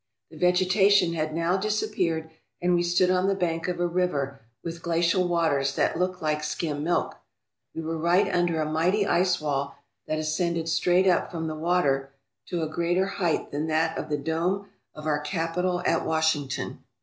The vegetation had now disappeared and we stood on the bank of a river with glacial waters that looked like skim milk. We were right under a mighty ice wall that ascended straight up from, the water to a greater height than that of the dome of our Capitol at Washington.